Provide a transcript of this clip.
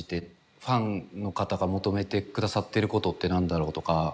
ファンの方が求めて下さってることって何だろうとか。